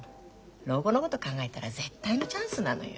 老後のこと考えたら絶対のチャンスなのよ。